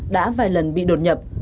đã vài lần bị đột nhập